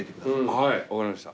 はい分かりました。